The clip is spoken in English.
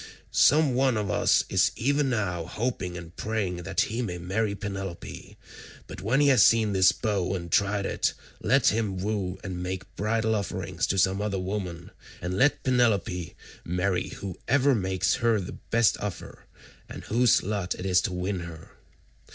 Some one of us is even now hoping and praying that he may marry Penelope, but when he has seen this bow and tried it, let him woo and make bridal offerings to some other woman, and let Penelope marry whoever makes her the best offer and whose lot it is to win her."